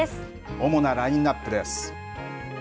主なラインナップです。